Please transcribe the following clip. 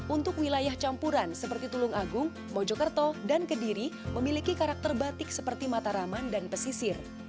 untuk wilayah campuran seperti tulung agung mojokerto dan kediri memiliki karakter batik seperti mataraman dan pesisir